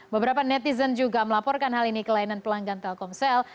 beberapa netizen juga melaporkan hal ini ke layanan pelanggan telkomsel